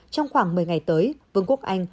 trong khoảng một mươi ngày tới vương quốc anh